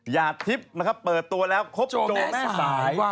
หญาทิพย์นะครับเปิดตัวแล้วโจแม่สายมั้ยว่า